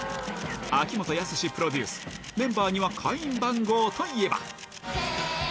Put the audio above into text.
秋元康プロデュース、メンバーには会員番号といえば。